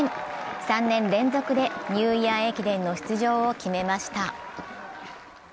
３年連続でニューイヤー駅伝の出場を決めました。